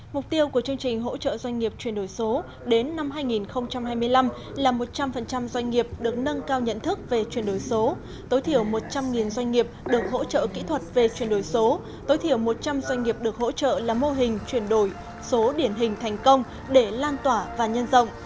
mục tiêu của chương trình hỗ trợ doanh nghiệp chuyển đổi số đến năm hai nghìn hai mươi năm là một trăm linh doanh nghiệp được nâng cao nhận thức về chuyển đổi số tối thiểu một trăm linh doanh nghiệp được hỗ trợ kỹ thuật về chuyển đổi số tối thiểu một trăm linh doanh nghiệp được hỗ trợ làm mô hình chuyển đổi số điển hình thành công để lan tỏa và nhân rộng